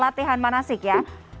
latihan manasik ya